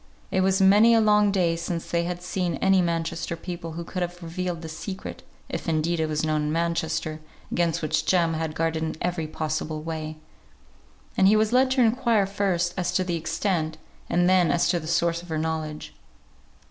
It was many a long day since they had seen any Manchester people who could have revealed the secret (if indeed it was known in Manchester, against which Jem had guarded in every possible way). And he was led to inquire first as to the extent, and then as to the source of her knowledge.